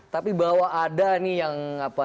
tapi bahwa ada nih yang apa